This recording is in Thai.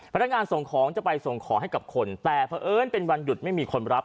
พนักงานส่งของจะไปส่งของให้กับคนแต่เพราะเอิญเป็นวันหยุดไม่มีคนรับ